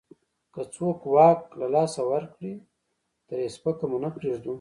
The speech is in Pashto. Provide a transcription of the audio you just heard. که څوک واک له لاسه ورکړي، ترې سپکه مو نه پرېږدو.